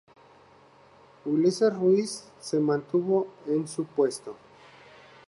Ulises Ruiz se mantuvo en su puesto.